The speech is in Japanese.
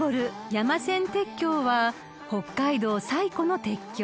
山線鉄橋は北海道最古の鉄橋］